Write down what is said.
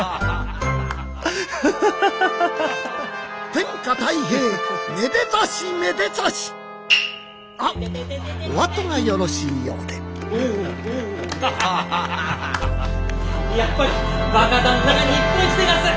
天下泰平めでたしめでたしおあとがよろしいようでやっぱり若旦那が日本一でがす！